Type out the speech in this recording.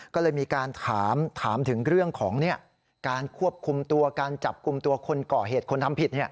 ก็เลยมีการถามถึงเรื่องของการควบคุมตัวการจับกลุ่มตัวคนก่อเหตุคนทำผิด